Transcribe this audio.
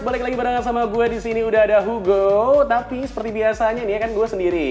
balik lagi barengan sama gue disini udah ada hugo tapi seperti biasanya nih ya kan gue sendiri